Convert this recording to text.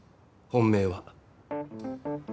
本命は。